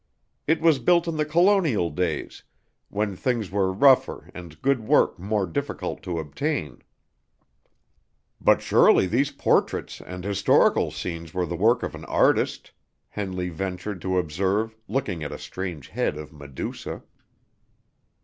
It was built in the Colonial days, when things were rougher and good work more difficult to obtain." "But surely these portraits and historical scenes were the work of an artist," Henley ventured to observe, looking at a strange head of Medusa.